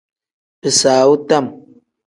Bisaawu tam.